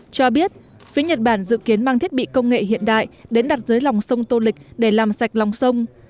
cho biết phía nhật bản dự kiến mang thiết bị công nghệ hiện đại đến đặt dưới lòng sông tô lịch để làm sạch lòng sông